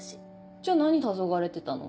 じゃあ何たそがれてたの？